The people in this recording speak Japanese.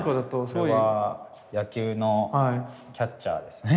これは野球のキャッチャーですね。